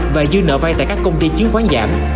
và dư nợ vay tại các công ty chứng khoán giảm